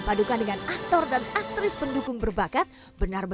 jangan lupa sharearelinks di kolom komentar